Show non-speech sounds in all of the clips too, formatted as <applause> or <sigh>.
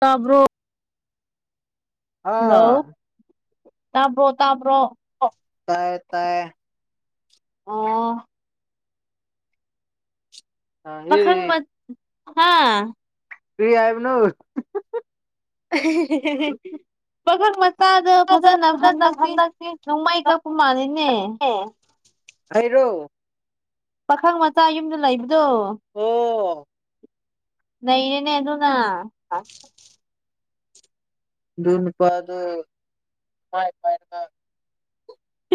ꯇꯥꯕ꯭ꯔꯣ ꯍꯜꯂꯣ ꯑꯥ ꯇꯥꯕ꯭ꯔꯣ ꯇꯥꯕ꯭ꯔꯣ ꯇꯥꯏ ꯇꯥꯏ ꯑꯣ ꯄꯥꯈꯪ ꯑꯦ ꯃ ꯍꯥꯥ ꯐ꯭ꯔꯤ ꯍꯥꯏꯥꯏꯕ ꯅꯣ <unintelligible> ꯄꯈꯛ ꯃꯆꯥꯗ ꯑꯗꯣ ꯐꯖꯅ ꯍꯟꯗꯛꯇꯤ ꯍꯟꯗꯛꯇꯤꯅꯦ ꯅꯣꯡꯃꯥꯏ ꯀꯛꯄ ꯃꯥꯜꯂꯤꯅꯦ ꯍꯩꯔꯣ ꯄꯥꯈꯪ ꯃꯆꯥ ꯌꯨꯝꯗ ꯂꯩꯕꯗꯣ ꯑꯣ ꯅꯩꯔꯦꯅꯦ ꯑꯗꯨꯅ <unintelligible> ꯅꯨꯄꯥ ꯑꯗꯨ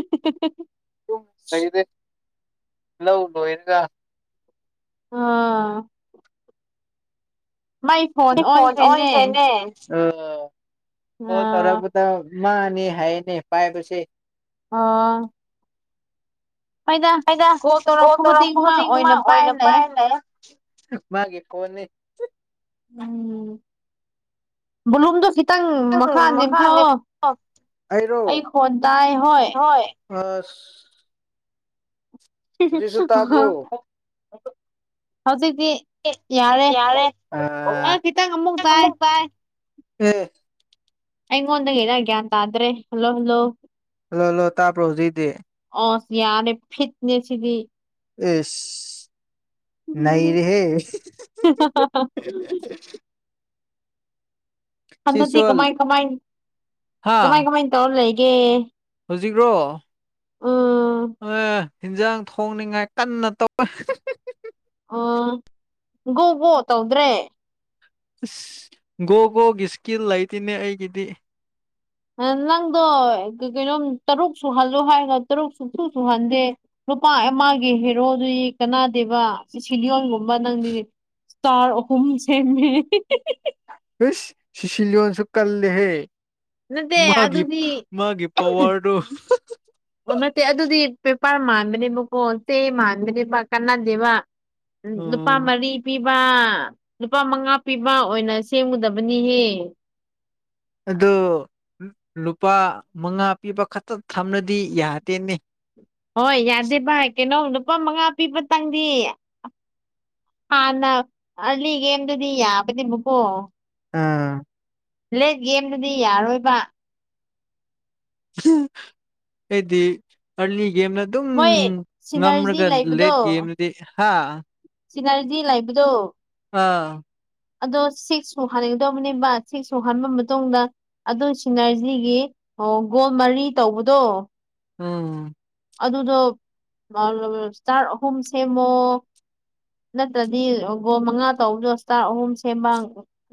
<unintelligible> <unintelligible> ꯑꯑ ꯐꯣꯟ ꯁꯤ ꯈꯣꯟ ꯑꯣꯟ ꯑꯣꯟꯈ꯭ꯔꯦꯅꯦ ꯈ꯭ꯔꯦꯅꯦ ꯑꯣ ꯐꯣꯟ ꯑꯥ ꯇꯧꯔꯄꯇ ꯃꯥꯅꯤ ꯍꯥꯏꯅꯦ ꯄꯥꯏ ꯄꯁꯦ ꯑꯣ ꯑꯩꯅ ꯀꯣꯜ ꯐꯣꯟ ꯇꯧꯔꯛꯄ ꯈꯨꯗꯤꯡ ꯇꯧꯔꯛꯄꯕꯨꯗꯤꯡ ꯃꯥ ꯑꯣꯏꯅ ꯄꯥꯏꯔ ꯄꯥꯏ ꯂꯩ ꯃꯥꯒꯤ ꯐꯣꯟꯅꯤ ꯎꯝ ꯐꯣꯂꯨꯝꯗꯣ ꯈꯤꯠꯗ ꯈꯤꯇꯪ ꯅꯪ ꯃꯈꯥ ꯃꯈꯥꯅꯦ ꯅꯦꯝꯊꯑꯣ ꯑꯩꯔꯣ ꯑꯩ ꯈꯣꯟ ꯇꯥꯏ ꯍꯣꯏ ꯑꯁ ꯍꯧꯖꯤꯛꯁꯨ ꯇꯥꯕ꯭ꯔꯣ ꯍꯧꯖꯤꯛꯇꯤ ꯌꯥꯔꯦ ꯑ ꯈꯤꯇꯪ ꯑꯃꯨꯛ ꯇꯥꯏ <unintelligible> ꯑꯩꯉꯣꯟꯗꯒꯤꯗꯥ ꯒ꯭ꯌꯥꯟ ꯇꯥꯗ꯭ꯔꯦ ꯍꯜꯂꯣ ꯍꯜꯂꯣ ꯍꯜꯂꯣ ꯇꯥ ꯄ꯭ꯔꯣ ꯍꯧꯖꯤꯗꯦ ꯑ ꯌꯥꯔꯦ ꯐꯤꯠꯅꯦꯁꯤꯗꯤ ꯏꯁ ꯅꯩꯔꯦ ꯍꯦ <unintelligible> ꯍꯟꯗꯛꯇꯤ ꯁꯤꯆꯣꯜ ꯀꯃꯥꯏ ꯀꯃꯥꯏ ꯀꯃꯥꯏ ꯀꯃꯥꯏ ꯇꯧꯔ ꯂꯩꯒꯦ ꯍꯧꯖꯤꯛ꯭ꯔꯣ ꯎꯝ ꯑꯦ ꯍꯟꯖꯥꯡ ꯊꯣꯡꯅꯤꯉꯥꯏ ꯀꯟꯅ ꯇꯧ ꯑꯣ ꯕꯣ ꯇꯧꯗ꯭ꯔꯦ ꯑꯁ ꯒꯣ ꯕꯣꯒꯤ ꯏꯁꯀꯤꯜ ꯂꯩꯇꯅꯦ ꯑꯩꯒꯤꯗꯤ ꯅꯪꯗꯣ ꯀꯩꯅꯣꯝ ꯇꯔꯨꯛ ꯁꯨꯍꯜꯂꯣ ꯍꯥꯏꯔꯒ ꯇꯔꯨꯛ ꯁꯨꯡꯁꯨꯨ ꯁꯨꯍꯟꯗꯦ ꯂꯨꯄꯥ ꯑꯃꯒꯤ ꯍꯦꯔꯣꯗꯨꯏ ꯀꯅꯥꯗꯦꯕ ꯁꯤꯁꯤꯂꯤꯌꯣꯟꯒꯨꯝ ꯅꯪꯗꯤ ꯏꯁꯇꯥꯔ ꯑꯍꯨꯝ ꯁꯦꯝꯃꯦ ꯏꯁ ꯁꯤꯁꯤꯂꯤꯟꯁꯨ ꯀꯜꯂꯦꯍꯦ ꯅꯠꯇꯦ ꯃꯥꯒꯤ ꯑꯗꯨꯗꯤ ꯃꯥꯒꯤ ꯄꯋꯥꯔꯗꯣ ꯑꯣ ꯅꯠꯇꯦ ꯑꯗꯨꯗꯤ ꯄꯦꯄꯔ ꯃꯥꯟꯗꯅꯦꯕꯀꯣ ꯆꯦ ꯃꯥꯟꯗꯅꯦꯕ ꯀꯥꯟꯅꯗꯦꯕ ꯎꯝ ꯅꯨꯄꯥ ꯃꯔꯤ ꯄꯤꯕ ꯂꯨꯄꯥ ꯃꯉꯥ ꯄꯤꯕ ꯑꯣꯏꯅ ꯁꯦꯝꯒꯗꯕꯅꯤꯍꯦ ꯑꯗꯣ ꯂꯨꯄꯥ ꯃꯉꯥ ꯄꯤꯕ ꯈꯛꯇ ꯊꯝꯂꯗꯤ ꯌꯥꯗꯦꯅꯦ ꯍꯣꯏ ꯌꯥꯗꯦ ꯚꯥꯏ ꯀꯩꯅꯣ ꯂꯨꯄꯥ ꯃꯉꯥ ꯄꯤꯕꯇꯪꯗꯤ ꯍꯥꯟꯅ ꯑꯔꯂꯤꯒꯦꯝꯗꯨꯗꯤ ꯌꯥꯕꯅꯦꯕꯀꯣ ꯑꯥ ꯂꯦꯠ ꯒꯦꯝꯗꯗꯤ ꯌꯥꯔꯣꯏꯕ ꯑꯩꯗꯤ ꯍꯔꯂꯤ ꯀꯦꯝ ꯑꯗꯨꯝ ꯃꯣꯏ ꯁꯤꯅꯔꯖꯤ ꯉꯝꯔꯒ ꯂꯦꯛ ꯒꯦꯝꯗꯨꯗꯤ ꯍꯥ ꯆꯅꯔꯤꯗꯤ ꯂꯩꯕꯗꯣ ꯑꯥ ꯑꯗꯣ ꯁꯤꯛꯁ ꯁꯨꯍꯟꯒꯗꯧꯕꯅꯦꯕ ꯁꯤꯛꯁ ꯁꯨ ꯍꯟꯕ ꯃꯇꯨꯡꯗ ꯑꯗꯨ ꯁꯤꯅꯔꯖꯤꯒꯤ ꯑꯣ ꯒꯣꯜ ꯃꯔꯤ ꯇꯧꯕꯗꯣ ꯑꯣꯝ ꯑꯗꯨꯗꯣ ꯁ꯭ꯇꯥꯔ ꯑꯍꯨꯝ ꯁꯦꯝꯃꯣ ꯅꯠꯇ꯭ꯔꯗꯤ ꯒꯣ ꯃꯉꯥ ꯇꯧꯕꯗꯣ ꯏꯁꯇꯥꯔ ꯑꯍꯨꯝ ꯁꯦꯝꯕ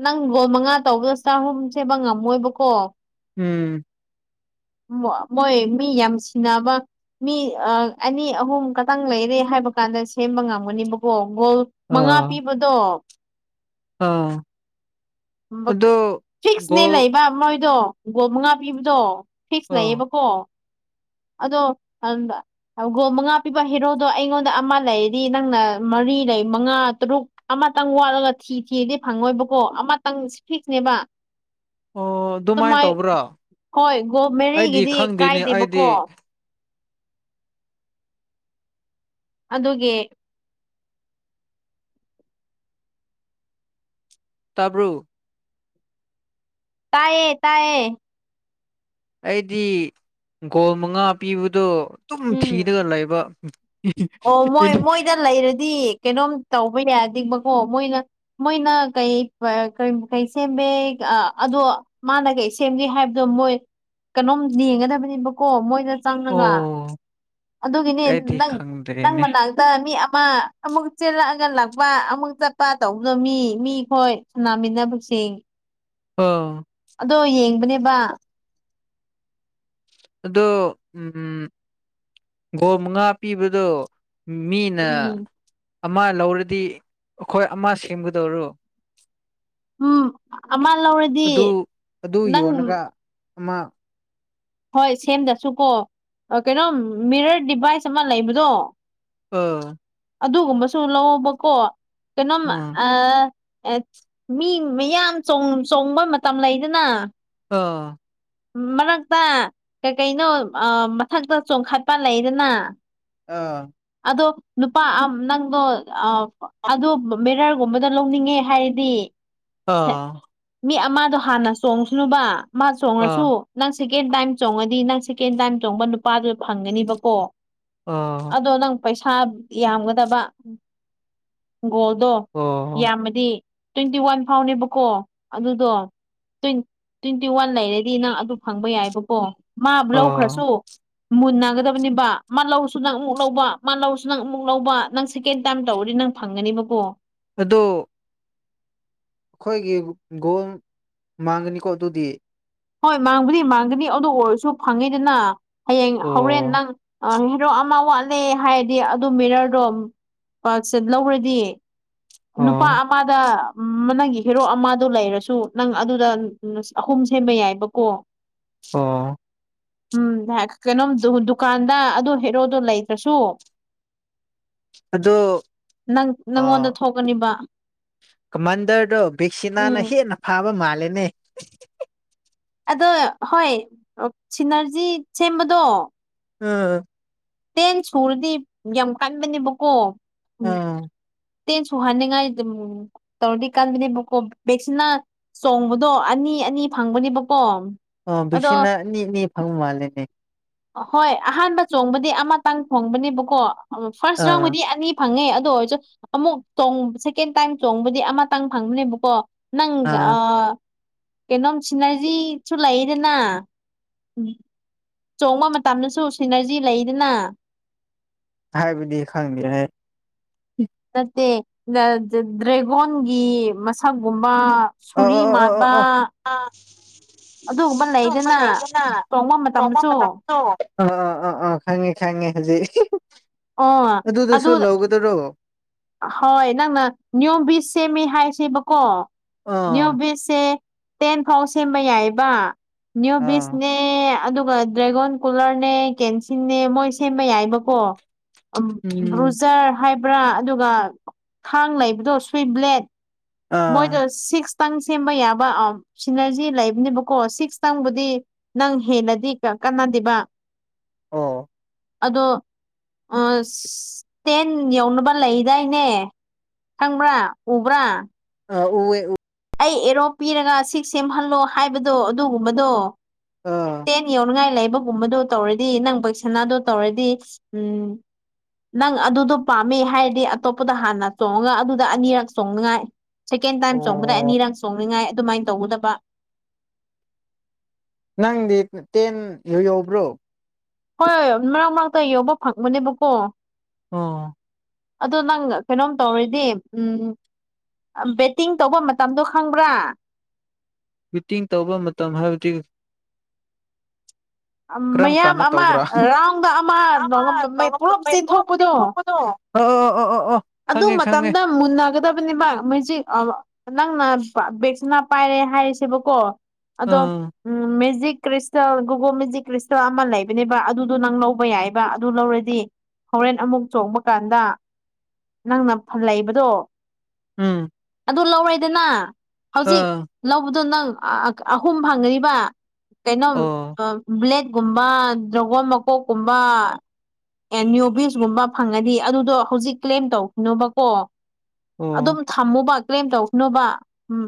ꯅꯪ ꯒꫭꯜ ꯃꯉꯥ ꯇꯧꯕꯗ ꯁ꯭ꯇꯥꯔ ꯑꯍꯨꯝ ꯁꯦꯝꯕ ꯉꯝꯃꯣꯏꯕꯀꯣ ꯎꯝ ꯃꯣꯏ ꯃꯤ ꯌꯥꯝ ꯁꯤꯟꯅꯅꯕ ꯃꯤ ꯑꯅꯤ ꯑꯍꯨꯝ ꯈꯇꯪ ꯂꯩꯔꯦ ꯍꯥꯏꯕ ꯀꯥꯟꯗ ꯁꯦꯝꯕ ꯉꯝꯒꯅꯤꯕꯀꯣ ꯒꯣꯜ ꯃꯉꯥ ꯑꯥ ꯄꯤꯕꯗꯣ ꯑꯥ ꯑꯗꯣ ꯐꯤꯛꯁꯅꯦ ꯒꯣꯜ ꯂꯩꯕ ꯃꯣꯏꯗꯣ ꯒꯣꯜ ꯃꯉꯥ ꯄꯤꯕꯗꯣ ꯐꯤꯛꯁ ꯑꯥ ꯂꯩꯌꯦꯕꯀꯣ ꯑꯗꯣ ꯍꯗ ꯑꯒꯣꯜ ꯃꯉꯥ ꯄꯤꯕ ꯍꯦꯔꯣꯗꯣ ꯑꯩꯉꯣꯟꯗ ꯑꯃ ꯂꯩꯗꯤ ꯅꯪꯅ ꯃꯔꯤ ꯂꯩ ꯃꯉꯥ ꯇꯔꯨꯛ ꯑꯃꯇꯪ ꯋꯥꯠꯂꯒ ꯊꯤ ꯊꯤꯗꯤ ꯐꯪꯉꯣꯏꯕꯀꯣ ꯑꯃꯇꯪ ꯐꯤꯛꯁꯅꯦꯕ ꯑꯣ ꯑꯗꯨꯃꯥꯏꯅ ꯑꯗꯨꯃꯥꯏ ꯇꯧꯕ꯭ꯔꯥ ꯍꯣꯏ ꯒꯣ ꯑꯩꯗꯤ ꯃꯦꯔꯤꯦꯒꯤꯗꯤ ꯈꯪꯗꯦꯅꯦ ꯑꯩꯗꯤ ꯀꯥꯏꯗꯦꯕꯀꯣ ꯑꯗꯨꯒꯤ ꯇꯥꯕ꯭ꯔꯨ ꯇꯥꯏꯌꯦ ꯇꯥꯏꯌꯦ ꯑꯩꯗꯤ ꯒꯣꯜ ꯃꯉꯥ ꯄꯤꯕꯗꯣ ꯑꯗꯨꯝ ꯎꯝ ꯊꯤꯔꯒ ꯂꯩꯕ ꯑꯣ ꯃꯣꯏ ꯃꯣꯏꯗ ꯂꯩꯔꯗꯤ ꯀꯩꯅꯣꯝ ꯇꯧꯕ ꯌꯥꯗꯤꯕꯀꯣ ꯃꯣꯏꯅ ꯃꯣꯏꯅ ꯀꯩ ꯀꯩ ꯁꯦꯝꯃꯦ ꯑꯗꯣ ꯃꯥꯅ ꯀꯩ ꯁꯦꯝꯒꯦ ꯍꯥꯏꯕꯗꯣ ꯃꯣꯏ ꯀꯩꯅꯣꯝ ꯌꯦꯡꯒꯗꯕꯅꯦꯕꯀꯣ ꯃꯣꯏꯅ ꯑꯣ ꯆꯪꯔꯒ ꯑꯗꯨꯒꯤꯅꯤ ꯑꯩꯗꯤ ꯅꯪ ꯅꯪ ꯈꯪꯗ꯭ꯔꯦꯅꯦ ꯃꯅꯥꯛ ꯃꯤ ꯑꯃ ꯑꯃꯨꯛ ꯆꯦꯜꯂꯛꯑꯒ ꯂꯥꯛꯄ ꯑꯃꯨꯛ ꯆꯠꯄ ꯇꯧꯕꯗꯣ ꯃꯤ ꯃꯤ ꯈꯣꯏ ꯅꯃꯤꯅꯥꯁꯤꯡ ꯑꯣ ꯑꯗꯣ ꯌꯦꯡꯕꯅꯦꯕ ꯑꯗꯣ ꯎꯝ ꯒꯣꯜ ꯃꯉꯥ ꯄꯤꯕꯗꯣ ꯃꯤꯅ ꯎꯝ ꯑꯃ ꯂꯧꯔꯗꯤ ꯑꯩꯈꯣꯏ ꯑꯃ ꯁꯦꯝꯒꯗꯧꯔꯣ ꯎꯝ ꯑꯃ ꯂꯧꯔꯗꯤ ꯑꯗꯨ ꯑꯗꯨ ꯅꯪ ꯌꯣꯟꯂꯒ ꯑꯃ ꯍꯣꯏ ꯁꯦꯝꯗꯁꯨꯀꯣ ꯀꯩꯅꯣꯝ ꯃꯤꯔꯔ ꯗꯤꯚꯥꯏꯁ ꯑꯃ ꯂꯩꯕꯗꯣ ꯑꯣ ꯑꯗꯨꯒꯨꯝꯕꯁꯨ ꯂꯧꯑꯣꯕꯀꯣ ꯀꯩꯅꯣꯝ ꯑꯥ ꯑ ꯑꯦ ꯃꯤ ꯃꯌꯥꯝ ꯆꫭꯡ ꯆꯣꯡꯕ ꯃꯇꯝ ꯂꯩꯗꯅ ꯑ ꯃ ꯄꯥ ꯀꯩ ꯀꯩꯅꯣ ꯃꯊꯛꯇ ꯆꯣꯡꯈꯠꯄ ꯂꯩꯗꯅ ꯑꯥ ꯑꯗꯣ ꯅꯨꯄꯥ ꯅꯪꯗꯣ ꯑꯗꯨ ꯃꯦꯔꯔꯒꯨꯝꯕꯗꯨ ꯂꯧꯅꯤꯡꯉꯦ ꯍꯥꯏꯔ ꯔꯤ ꯑ ꯃꯤ ꯑꯃꯗꯣ ꯍꯥꯟꯅ ꯆꯣꯡꯉꯁꯅꯨꯕ ꯃꯥ ꯆꯣꯡꯉꯁꯨ ꯑꯥ ꯅꯪ ꯁꯦꯀꯦꯟ ꯇꯥꯏꯝ ꯆꯣꯡꯉꯗꯤ ꯅꯪ ꯁꯦꯀꯦꯟ ꯇꯥꯏꯝ ꯆꯣꯡꯕ ꯅꯨꯄꯥꯗꯨ ꯐꯪꯒꯅꯤꯕꯀꯣ ꯑ ꯑꯗꯣ ꯅꯪ ꯄꯩꯁꯥ ꯌꯥꯝꯒꯗꯕ ꯒꯣꯜꯗꯣ ꯑꯣ ꯌꯥꯃꯗꯤ ꯇ꯭ꯋꯦꯟꯇꯤ ꯋꯥꯟ ꯐꯥꯎꯅꯦꯕꯀꯣ ꯑꯗꯨꯗꯣ꯭ ꯇ꯭ꯋꯦꯟꯇꯤ ꯋꯥꯟ ꯂꯩꯔꯗꯤ ꯅꯪ ꯑꯗꯨ ꯐꯪꯕ ꯌꯥꯏꯕꯀꯣ ꯃꯥ ꯑꯣ ꯂꯧꯈ꯭ꯔꯁꯨ ꯃꯨꯟꯅꯒꯗꯕꯅꯦꯕ ꯃꯥ ꯂꯧꯁꯨ ꯅꯪ ꯑꯃꯨꯛ ꯂꯧꯕ ꯃꯥ ꯂꯧꯁꯨ ꯅꯪ ꯑꯃꯨꯛ ꯂꯧꯕ ꯅꯪ ꯁꯦꯀꯦꯟ ꯇꯥꯏꯝ ꯇꯧꯔꯔꯤ ꯅꯪ ꯐꯪꯒꯅꯦꯕꯀꯣ ꯑꯗꯣ ꯑꯩꯈꯣꯏꯒꯤ ꯒꯣꯜ ꯃꯥꯡꯒꯅꯤꯀꯣ ꯑꯗꯨꯗꯤ ꯍꯣꯏ ꯃꯥꯡꯕꯨꯗꯤ ꯃꯥꯡꯒꯗꯤ ꯑꯗꯨ ꯑꯣꯏꯔꯁꯨ ꯐꯪꯉꯤꯗꯅ ꯍꯌꯦꯡ ꯍꯣꯔꯦꯟ ꯑꯣ ꯅꯪ ꯑ ꯍꯦꯔꯣꯛ ꯑꯃ ꯋꯥꯠꯂꯦ ꯍꯥꯏꯔꯗꯤ ꯑꯗꯨ ꯃꯦꯔꯔꯗꯣ ꯂꯧꯈꯔꯗꯤ ꯅꯨꯄꯥ ꯑꯣ ꯑꯃꯗ ꯎꯝ ꯅꯪꯒꯤ ꯍꯦꯔꯣ ꯑꯃꯗꯨ ꯂꯩꯔꯁꯨ ꯅꯪ ꯑꯗꯨꯗ ꯑꯍꯨꯝ ꯁꯦꯝꯕ ꯌꯥꯏꯕꯀꯣ <inaudible> ꯑ ꯎꯝ ꯀꯩꯅꯣꯝ ꯗꯨꯀꯥꯟꯗ ꯑꯗꯨ ꯍꯦꯔꯣꯗꯣ ꯂꯩꯇ꯭ꯔꯁꯨ ꯑꯗꯣ ꯅꯪ ꯅꯪꯉꯣꯟꯗ ꯑ ꯊꯣꯛꯀꯅꯤꯕ ꯀꯃꯥꯟꯗꯔꯗꯣ ꯕꯦꯛꯁꯤꯅꯥꯅ ꯎꯝ ꯍꯦꯟꯅ ꯐꯥꯕ ꯃꯥꯜꯂꯦꯅꯦ ꯑꯗꯣ ꯍꯣꯏ ꯁꯤꯅꯔꯖꯤ ꯁꯦꯝꯕꯗꯣ ꯎꯝ ꯇꯦꯟ ꯁꯨꯔꯗꯤ ꯌꯥꯝ ꯀꯟꯕꯅꯦꯕꯀꯣ ꯑ ꯇꯦꯟꯁꯨꯨꯍꯅꯤꯡꯉꯥꯏ ꯇꯧꯔꯗꯤ ꯀꯥꯟꯗꯅꯦꯕꯀꯣ ꯕꯦꯛꯁꯤꯅ ꯆꯣꯡꯕꯗꯣ ꯑꯅꯤ ꯑꯅꯤ ꯐꯪꯕꯅꯦꯕꯀꯣ ꯑꯣ ꯑꯗꯣ ꯕꯤꯁꯤꯅ ꯅꯤ ꯑꯅꯤ ꯐꯪ ꯃꯥꯂꯦꯅꯦ ꯍꯣꯏ ꯑꯍꯥꯟꯕ ꯆꯣꯡꯕꯗꯤ ꯑꯃꯇꯪ ꯊꯣꯡꯕꯅꯦꯕꯀꯣ ꯐꯥꯔꯁ ꯑꯥ ꯔꯥꯎꯟꯒꯤꯗꯤ ꯑꯅꯤ ꯐꯪꯉꯦ ꯑꯗꯨ ꯑꯣꯏꯔꯁꯨ ꯑꯃꯨꯛ ꯆꯣꯡꯕꯁꯦ ꯁꯦꯀꯦꯟ ꯇꯥꯏꯝ ꯆꯣꯡꯕꯗꯤ ꯑꯃꯇꯪ ꯐꯪꯕꯅꯦꯕꯀꯣ ꯅꯪ ꯑ ꯑꯥ ꯀꯩꯅꯣꯝ ꯁꯤꯅꯔꯖꯤꯁꯨ ꯂꯩꯗꯅ ꯎꯝ ꯆꯣꯡꯕ ꯃꯇꯝꯗꯁꯨ ꯁꯤꯅꯔꯖꯤ ꯂꯩꯗꯅ ꯍꯥꯏꯕꯗꯤ ꯈꯪꯗꯦꯍ ꯅꯠꯇꯦ ꯗ꯭ꯔꯦꯒꯣꯟꯒꯤ ꯃꯁꯛꯒꯨꯝꯕ ꯆꯔꯤ ꯃꯥꯛꯕ ꯑ ꯑꯗꯨꯝꯕ ꯂꯩꯗꯅ ꯂꯩꯗꯅ ꯆꯣꯡꯕ ꯆꫭꯡꯕ ꯃꯇꯝꯗꯁꯨ ꯃꯇꯝꯗꯣ ꯑꯥ ꯑꯥ ꯑꯥ ꯑꯥ ꯈꯪꯉꯦ ꯈꯪꯉꯦ ꯍꯧꯖꯤꯛ ꯑꯣ ꯑꯗꯨꯗꯨꯁꯨ ꯑꯗꯨ ꯂꯧꯒꯗꯔꯣ ꯍꯣꯏ ꯅꯪꯅ ꯅꯤꯌꯣꯝ ꯕꯤꯁ ꯁꯦꯝꯃꯤ ꯍꯥꯏꯁꯦꯕꯀꯣ ꯅꯤꯌꯣ ꯑꯥ ꯕꯤꯁꯁꯦ ꯇꯦꯟ ꯐꯥꯎ ꯁꯦꯝꯕ ꯌꯥꯏꯑꯕ ꯅ꯭ꯌꯨ ꯕꯤꯁꯅꯦ ꯑꯥ ꯅꯦ ꯑꯗꯨꯒ ꯗ꯭ꯔꯦꯒꯣꯟ ꯀꯨꯂꯔꯅꯦ ꯀꯦꯟꯁꯤꯟꯅꯦ ꯃꯣꯏ ꯁꯦꯝꯕ ꯌꯥꯏꯕꯀꯣ ꯕ꯭ꯔꯨꯖꯔ ꯍꯥꯏꯕ꯭ꯔꯥ ꯑꯗꯨꯒ ꯊꯥꯡ ꯂꯩꯕꯗꯣ ꯁ꯭ꯨꯋꯤꯠ ꯕ꯭ꯂꯦꯠ ꯃꯣꯏꯗꯣ ꯑꯥ ꯁꯤꯛꯁꯇꯪ ꯁꯦꯝꯕ ꯌꯥꯕ ꯑ ꯁꯤꯅꯔꯖꯤ ꯂꯩꯕꯅꯦꯕꯀꯣ ꯁꯤꯛꯁꯇꯪꯕꯨꯗꯤ ꯅꯪ ꯍꯦꯟꯅꯗꯤ ꯀꯥꯟꯅꯗꯦꯕ ꯑꯥ ꯑꯗꯣ ꯇꯦꯟ ꯌꯧꯅꯕ ꯂꯩꯗꯥꯏꯅꯦ ꯈꯪꯕ꯭ꯔꯥ ꯎꯕ꯭ꯔꯥ ꯑ ꯎ ꯑꯩ ꯑꯦꯔꯣ ꯄꯤꯔꯒ ꯁꯤ ꯁꯦꯝꯍꯜꯂꯣ ꯍꯥꯏꯕꯗꯣ ꯑꯗꯨꯒꯨꯝꯕꯗꯣ ꯑꯥ ꯇꯦꯟ ꯌꯧꯅꯤꯡꯉꯥꯏ ꯂꯩꯕ ꯒꯨꯝꯕꯗꯣ ꯇꯧꯔꯗꯤ ꯅꯪ ꯄꯩꯁꯅꯥꯗꯣ ꯇꯧꯔꯗꯤ ꯎꯝ ꯅꯪ ꯑꯗꯨꯗꯣ ꯄꯥꯝꯃꯦ ꯍꯥꯏꯔꯗꯤ ꯑꯇꯣꯞꯄꯗ ꯍꯥꯟꯅ ꯆꯣꯡꯉꯒ ꯑꯗꯨꯗ ꯑꯅꯤꯔꯛ ꯆꯣꯡꯅꯉꯥꯏ ꯁꯦꯀꯦꯟ ꯇꯥꯏꯝ ꯆꯣꯡꯕꯗ ꯑꯣ ꯑꯅꯤꯔꯛ ꯆꯣꯡꯅꯤꯡꯉꯥꯏ ꯑꯗꯨꯃꯥꯏꯅ ꯇꯧꯒꯗꯕ ꯅꯪꯗꯤ ꯇꯦꯟ ꯌꯣ- ꯌꯧꯕ꯭ꯔꯣ ꯍꯣꯏ ꯃꯔꯛ-ꯃꯔꯛꯇ ꯌꯧꯕ ꯐꯪꯕꯅꯦꯕꯀꯣ ꯑꯣ ꯑꯗꯣ ꯅꯪ ꯀꯩꯅꯣꯝ ꯇꯧꯔꯤꯗꯤ ꯎꯝ ꯕꯦꯠꯇꯤꯡ ꯇꯧꯕ ꯃꯇꯝꯗꯣ ꯈꯪꯕ꯭ꯔꯥ ꯃꯤꯇꯤꯡ ꯇꯧꯕ ꯃꯇꯝ ꯍꯥꯏꯕꯗꯤ ꯀꯔꯝ ꯃꯌꯥꯝ ꯀꯥꯟꯅ ꯇꯧꯕ꯭ꯔꯥ ꯑꯃ ꯔꯥꯎꯟꯗ ꯑꯃ ꯄꯨꯂꯞ <unintelligible> ꯆꯦꯟꯊꯣꯛꯄꯗꯣ ꯊꯣꯛꯄꯗꯣ ꯑꯣ ꯑꯣ ꯑꯣ ꯑꯣ ꯑꯣ ꯑꯗꯨ ꯈꯪꯉꯦ ꯈꯪꯉꯦ ꯃꯇꯝꯗ ꯃꯨꯟꯅꯒꯗꯕꯅꯦꯕ ꯃꯦꯖꯤꯛ ꯑꯥ ꯅꯪꯅ ꯕꯦꯛꯁꯤꯅ ꯄꯥꯏꯔꯦ ꯍꯥꯏꯔꯦꯁꯦꯕꯀꯣ ꯑꯗꯣ ꯑꯥ ꯎꯝ magic crystal GO-GO magic crystal ꯑꯃ ꯂꯩꯕꯅꯦꯕ ꯑꯗꯨꯗꯨꯣ ꯅꯪ ꯂꯧꯕ ꯌꯥꯏꯕ ꯑꯗꯨ ꯂꯧꯔꯥꯗꯤ ꯍꯣꯔꯦꯟ ꯑꯃꯨꯛ ꯆꯣꯡꯕ ꯀꯥꯟꯗ ꯅꯪꯅ ꯐꯟ ꯂꯩꯕꯗꯣ ꯎꯝ ꯑꯗꯨ ꯂꯧꯔꯦꯗꯅ ꯍꯧꯖꯤꯛ ꯑꯥ ꯂꯧꯕꯗꯣ ꯅꯪ ꯑꯥ-ꯑꯍꯨꯝ ꯐꯪꯀꯅꯤꯕ ꯀꯩꯅꯣꯝ ꯑꯣ ꯕ꯭ꯂꯦꯠ ꯒꯨꯝꯕ ꯗ꯭ꯔꯒꯣꯟ ꯃꯀꯣꯛꯀꯨꯝꯕ ꯑꯦꯅ꯭ꯌꯨꯕꯤꯁ ꯒꯨꯝꯕ ꯐꯪꯉꯥꯗꯤ ꯑꯗꯨꯗꯣ ꯍꯧꯖꯤꯛ ꯀ꯭ꯂꯦꯝ ꯇꯧꯈꯤꯅꯣꯕꯀꯣ ꯑꯗꯨꯝ ꯑꯣ ꯊꯝꯃꯨꯕ ꯀ꯭ꯂꯦꯝ ꯇꯧꯈꯤꯅꯨꯕ ꯎꯝ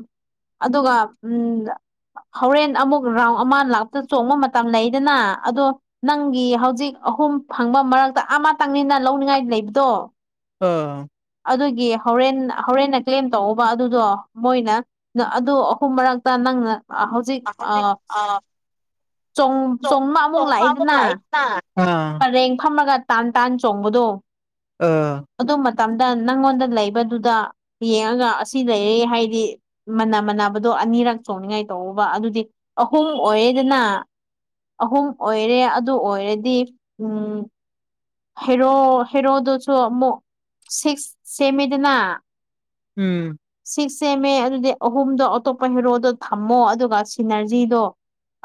ꯑꯗꯨꯒ ꯎꯝ ꯍꯣꯔꯦꯟ ꯑꯃꯨꯛ ꯔꯥꯎꯟ ꯑꯃ ꯂꯥꯛꯕ ꯃꯇꯝꯗ ꯆꯣꯡꯕ ꯃꯇꯝ ꯂꯩꯗꯅ ꯑꯗꯣ ꯅꯪꯒꯤ ꯍꯧꯖꯤꯛ ꯑꯍꯨꯝ ꯐꯪꯕ ꯃꯔꯛꯇ ꯑꯃꯇꯪꯅꯤꯅ ꯂꯧꯅꯤꯡꯉꯥꯏ ꯂꯩꯕꯗꯣ ꯑꯥ ꯑꯗꯨꯒꯤ ꯍꯧꯔꯦꯟ-ꯍꯧꯔꯦꯟꯅ ꯀ꯭ꯂꯦꯝ ꯇꯧꯋꯣꯕ ꯑꯗꯨꯗꯣ ꯃꯣꯏꯅ ꯑꯗꯨ ꯑꯍꯨꯝ ꯃꯔꯛꯇ ꯅꯪꯅ ꯍꯧꯖꯤꯛ ꯑꯁꯟꯇꯤꯁ ꯑꯥ ꯆꯣꯡ-ꯆꯣꯡꯕ ꯑꯃꯨꯛ ꯂꯥꯛꯏꯗꯅ ꯇꯥ ꯑꯥ ꯇ꯭ꯔꯦꯡ ꯐꯝꯃꯥꯒ ꯇꯥꯟ-ꯇꯥꯟ ꯆꯣꯡꯕꯗꯣ ꯑ ꯑꯗꯨ ꯃꯇꯝꯗ ꯅꯪꯉꯣꯟꯗ ꯂꯩꯕꯗꯨꯗ ꯌꯦꯡꯉꯒ ꯑꯁꯤ ꯂꯩꯔꯦ ꯍꯥꯏꯗꯤ ꯃꯅ ꯃꯥꯟꯅꯕꯗꯣ ꯑꯅꯤꯔꯛ ꯆꯣꯡꯅꯤꯡꯉꯥꯏ ꯇꯧꯑꯣꯕ ꯑꯗꯨꯗꯤ ꯑꯍꯨꯝ ꯑꯣꯏꯌꯦꯗꯅ ꯑꯍꯨꯝ ꯑꯣꯏꯔꯦ ꯑꯗꯨ ꯑꯣꯏꯔꯗꯤ ꯎꯝ ꯍꯦꯔꯣ ꯍꯦꯔꯣꯗꯨꯁꯨ ꯑꯃꯨꯛ ꯁꯤꯛꯁ ꯁꯦꯝꯃꯤꯗꯅ ꯎꯝ ꯁꯤ ꯁꯦꯝꯃꯦ ꯑꯗꯨꯗꯤ ꯑꯍꯨꯝꯗꯣ ꯑꯇꯣꯞꯄ ꯍꯦꯔꯣꯗꯣ ꯊꯝꯃꯣ ꯑꯗꯨꯒ ꯁꯤꯅꯔꯖꯤꯗꯣ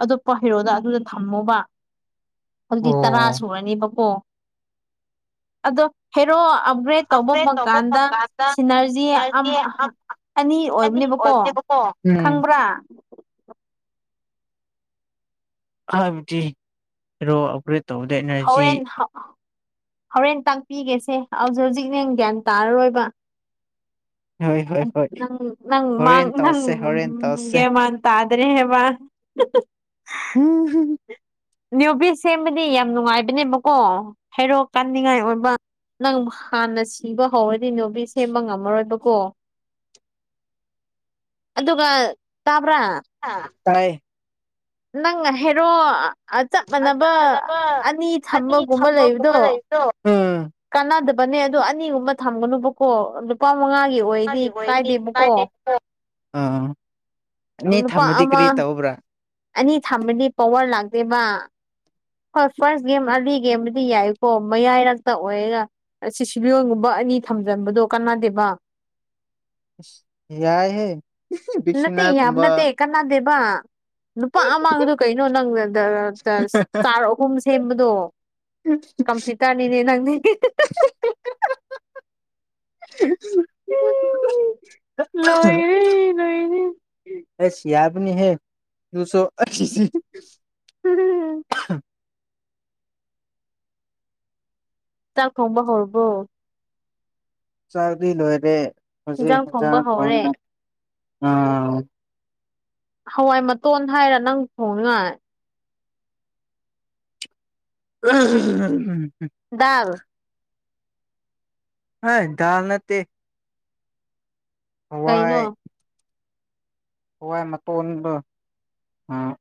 ꯑꯇꯣꯞꯄ ꯍꯦꯔꯣꯗ ꯑꯗꯨꯗ ꯊꯝꯃꯣꯕ ꯍꯧꯖꯤꯛꯇꯤ ꯇꯔꯥ ꯑꯣ ꯁꯨꯔꯥꯅꯦꯕꯀꯣ ꯑꯗꯣ ꯍꯦꯔꯣ ꯑꯞꯒ꯭ꯔꯦꯗ ꯇꯧꯕ ꯐꯪꯀꯥꯟꯗ ꯁꯤꯅꯔꯖꯤ ꯏꯅꯔꯖꯤ ꯑꯃ ꯑꯅꯤ ꯑꯣꯏꯕꯅꯤꯕꯀꯣ ꯑꯣꯏꯕꯅꯦꯕꯀꯣ ꯎꯝ ꯈꯪꯕ꯭ꯔꯥ ꯑꯗꯨꯕꯨꯗꯤ ꯍꯦꯔꯣ ꯑꯞꯒ꯭ꯔꯦꯠ ꯍꯣꯔꯦꯟ ꯍꯣꯔꯦꯟ ꯇꯥꯛꯄꯤꯒꯦꯁꯦ ꯍꯧꯖꯤꯛ ꯍꯧꯖꯤꯛ ꯅꯪ ꯒ꯭ꯌꯥꯟ ꯇꯥꯔꯔꯣꯏꯕ ꯍꯣꯏ ꯍꯣꯏ ꯍꯣꯏ ꯅꯪ- ꯅꯪ ꯃꯥꯡ ꯍꯣꯔꯦꯟ ꯅꯪ ꯇꯧꯁꯦ ꯍꯣꯔꯦꯟ ꯇꯧꯁꯦ ꯒꯦꯟꯃꯥꯟ ꯇꯥꯗ꯭ꯔꯦ ꯍꯦꯕꯥ ꯎꯝ ꯍꯨꯝ ꯅꯤꯎ ꯕꯤꯁ ꯁꯦꯝꯕꯗꯤ ꯌꯥꯝ ꯅꯨꯡꯉꯥꯏꯕꯅꯦꯕꯀꯣ ꯍꯩꯔꯣꯛ ꯀꯟꯅꯤꯡꯉꯥꯏ ꯑꯣꯏꯕ ꯅꯪ ꯍꯥꯟꯅ ꯁꯤꯕ ꯍꯧꯔꯥꯗꯤ ꯅꯤꯎꯃꯤꯁ ꯁꯦꯝꯕ ꯉꯝꯃꯥꯔꯣꯏꯕꯀꯣ ꯑꯗꯨꯒ ꯇꯥꯕ꯭ꯔꯥ ꯇꯥꯏ ꯅꯪꯅ ꯍꯥꯏꯦꯔꯣ ꯆꯞ ꯃꯥꯟꯅꯕ ꯑꯅꯤ ꯊꯝꯕꯒꯨꯝꯕ ꯂꯩꯕꯗꯣ ꯑꯗꯣ ꯎꯝ ꯀꯥꯟꯅꯗꯕꯅꯦ ꯑꯗꯣ ꯑꯅꯤꯒꯨꯝꯕ ꯊꯝꯒꯅꯨꯕꯀꯣ ꯂꯨꯄꯥ ꯃꯉꯥꯒꯤ ꯑꯣꯏꯗꯤ ꯃꯥꯒꯤ ꯀꯥꯏꯗꯦꯕꯀꯣ ꯀꯥꯏꯗꯦ ꯑꯥ ꯑꯅꯤ ꯂꯨꯄꯥ ꯊꯝꯃꯗꯤ ꯑꯃ ꯀꯔꯤ ꯇꯧꯕ꯭ꯔꯥ ꯑꯅꯤ ꯊꯝꯃꯥꯗꯤ ꯄꯥꯋꯥꯔ ꯂꯥꯛꯇꯦꯕ ꯐꯥꯔꯁ ꯐ꯭ꯔꯁ ꯒꯦꯝ ꯑꯔꯂꯤ ꯒꯦꯝꯕꯨꯗꯤ ꯌꯥꯏꯌꯦꯀꯣ ꯃꯌꯥꯏꯔꯛꯇ ꯑꯣꯏꯔꯒ ꯑꯁꯤ ꯁꯤꯁꯤꯂꯤꯌꯣꯟꯟꯒꯨꯝꯕ ꯑꯅꯤ ꯊꯝꯖꯟꯕꯗꯣ ꯀꯅꯥꯗꯦꯕ ꯌꯥꯏꯌꯦ ꯕꯤꯛ ꯌꯥꯇꯦ ꯌꯥꯕ ꯅꯠꯇꯦ ꯀꯥꯟꯅꯗꯦꯕ ꯂꯨꯄꯥ ꯑꯃꯥꯗꯣ ꯀꯩꯅꯣ ꯅꯪ ꯆꯥꯔ ꯑꯍꯨꯝ ꯁꯦꯝꯕꯗꯣ ꯀꯝꯐ꯭ꯌꯨꯇ꯭ꯔꯅꯤꯅꯦ ꯅꯪꯅꯤ ꯑꯦ ꯂꯣꯏꯔꯦ ꯂꯣꯏꯔꯦ ꯑꯁ ꯌꯥꯕꯅꯤ ꯍꯦ ꯅꯪꯁꯨ ꯑꯁꯤ ꯎꯝ ꯆꯥꯛ ꯊꯣꯡꯕ ꯍꯧꯔꯥꯕꯣ ꯆꯥꯛꯗꯤ ꯂꯣꯏꯔꯦ ꯍꯧꯖꯤꯛ ꯏꯟꯖꯥꯡ ꯊꯣꯡꯕ ꯍꯟꯖꯥꯡ ꯍꯧꯔꯦ ꯊꯣꯡꯅ ꯑꯥ ꯍꯋꯥꯏ ꯃꯇꯣꯟ ꯍꯥꯏꯔꯥ ꯅꯪ ꯊꯣꯡꯉꯥꯏ <unintelligible> ꯗꯥꯜ ꯑ ꯗꯥꯜ ꯅꯠꯇꯦ ꯀꯩꯅꯣ ꯍꯥꯋꯥꯏ ꯍꯋꯥꯏ ꯃꯇꯣꯟꯕ ꯑꯥ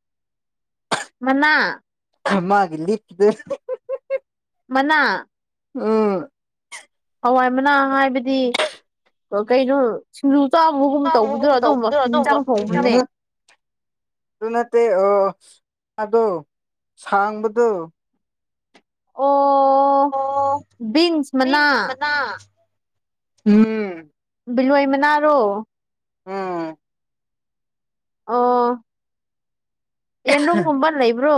ꯃꯅꯥ ꯃꯥꯒꯤ ꯂꯤꯛ <unintelligible> ꯃꯅꯥ ꯎꯝ ꯍꯋꯥꯏ ꯃꯅꯥ ꯍꯥꯏꯕꯗꯤ ꯀꯩꯅꯣ ꯁꯤꯡꯖꯨ ꯆꯥꯝꯕꯒꯨꯝ ꯇꯧꯕꯗꯨ ꯑꯗꯨꯝꯕ ꯏꯟꯖꯥꯡ ꯊꯣꯡꯕꯅꯦ ꯑꯗꯨ ꯅꯠꯇꯦ ꯑꯣ ꯑꯗꯣ ꯁꯥꯡꯕꯗꯣ ꯑꯣ ꯑꯣ ꯕꯤꯟꯁ ꯃꯅꯥ ꯎꯝ ꯕꯤꯜꯂꯣꯏ ꯃꯅꯥꯔꯣ ꯑꯣ ꯑꯑ ꯌꯦꯟꯅꯨꯝꯒꯨꯝꯕ ꯂꯩꯕ꯭ꯔꯣ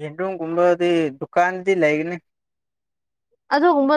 ꯌꯦꯟꯗꯣꯡꯒꯨꯝꯕꯗꯤ ꯗꯨꯀꯥꯟꯗꯤ ꯂꯩꯒꯅꯤ ꯑꯗꯨ ꯒꯨꯝꯕ